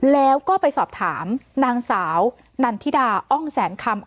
แล้วก็ไปสอบถามนางสาวนันทิดาอ้องแสนคำ